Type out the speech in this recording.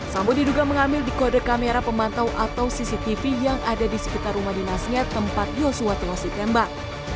sampo diduga mengambil di kode kamera pemantau atau cctv yang ada di sekitar rumah dinasnya tempat yoso hota wasitembak